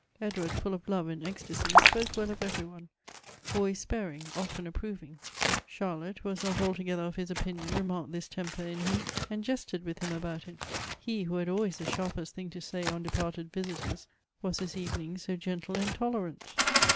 Edward, full of love and ecstasy, spoke well of every one — always spar ing, often approving. Charlotte, who was not altogether of his opinion remarked this temper in him, and jested with him about it — he who had always the sharpest thing to say on departed visitors, was this evening so gentle and tolerant.